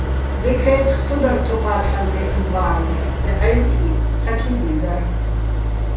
ლე ქაჲრცხი̆ ცო დარ თოყა́ლ ჰ̦ალო̆ დე́ჸენო̆ ბა́რლეჼ, ლე ჺა́ჲბკი, საქიბლი დარ.